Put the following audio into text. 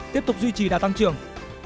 tiếp tục duy trì đà tăng trường